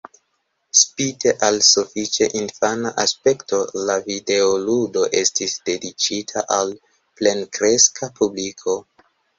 Spite al sufiĉe infana aspekto, la videoludo estis dediĉita al plenkreska publiko.